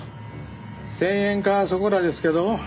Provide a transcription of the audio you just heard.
１０００円かそこらですけど。